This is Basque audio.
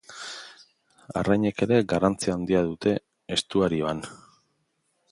Arrainek ere garrantzi handia dute estuarioan.